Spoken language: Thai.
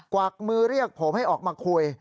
วักมือเรียกผมให้ออกมาคุย